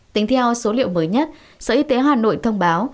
tính theo số liệu mới nhất sở y tế hà nội thông báo